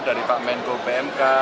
dari pak menko pmk